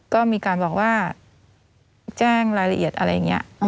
ก็มีการบอกว่าแจ้งรายละเอียดอะไรอย่างนี้